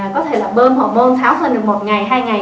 có thể là bơm hormon tháo phân được một ngày hai ngày